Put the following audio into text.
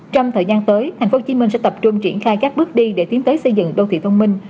trong thời gian tới tp hcm sẽ tập trung triển khai các bước đi để tiến tới xây dựng đô thị thông minh